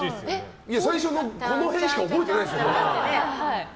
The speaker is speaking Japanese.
最初のこの辺しか覚えてないですよ。